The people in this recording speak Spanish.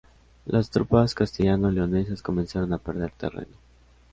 Las tropas castellano-leonesas comenzaron a perder terreno.